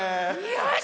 よし！